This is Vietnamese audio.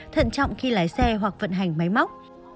thận trọng khi lái xe hoặc vận hành máy móc